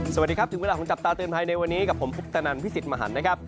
สวัสดีครับถึงเวลาของจับตาตื่นไพรในวันนี้กับผมฟุกตะนันพี่สิภาส